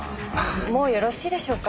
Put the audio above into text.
もうよろしいでしょうか。